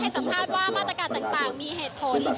ให้สัมภาพว่ามาตรกาลต่างมีเหตุผล